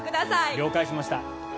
了解しました。